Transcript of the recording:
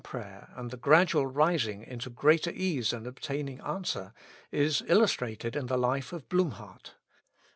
prayer, and the gradual rising into greater ease in ob taining answer, is illustrated in the life of Blumhardt.